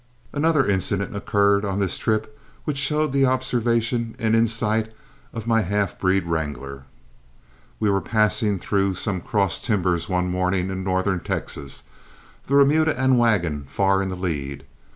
Another incident occurred on this trip which showed the observation and insight of my half breed wrangler. We were passing through some cross timbers one morning in northern Texas, the remuda and wagon far in the lead.